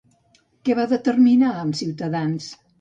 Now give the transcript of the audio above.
Què va determinar amb Ciutadans?